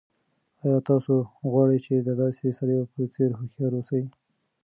آیا تاسو غواړئ چې د داسې سړیو په څېر هوښیار اوسئ؟